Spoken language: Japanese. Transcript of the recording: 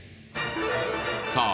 さあ